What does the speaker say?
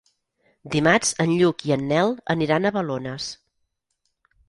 Dimarts en Lluc i en Nel aniran a Balones.